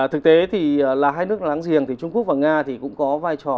thực tế thì là hai nước láng giềng thì trung quốc và nga thì cũng có vai trò